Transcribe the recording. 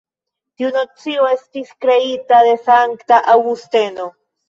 Tiu nocio estis kreita de sankta Aŭgusteno.